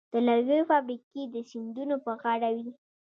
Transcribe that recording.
د لرګیو فابریکې د سیندونو په غاړه وې.